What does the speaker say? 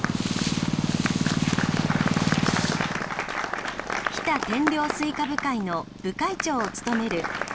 日田天領西瓜部会の部会長を務める秋山大輔さん。